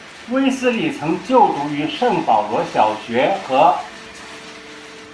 威利斯曾就读于圣保罗小学和。